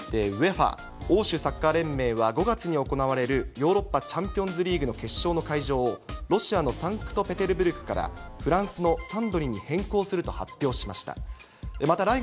ＵＥＦＡ・欧州サッカー連盟は、ヨーロッパチャンピオンズリーグの決勝の会場を、ロシアのサンクトペテルブルクから、フランスのサンドニに変更すると発表しました。